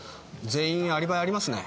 全員アリバイありますね。